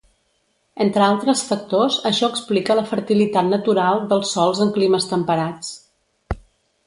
Entre altres factors això explica la fertilitat natural dels sòls en climes temperats.